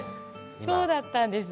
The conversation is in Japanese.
そうだったんですね。